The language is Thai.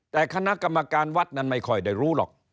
แต่คณะกรรมการวัดนั้นไม่ค่อยได้รู้หรอก